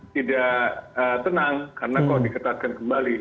tidak tenang karena kok diketatkan kembali